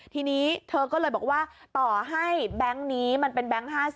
ทีนี้เธอก็เลยบอกว่าต่อให้แบงค์นี้มันเป็นแบงค์๕๐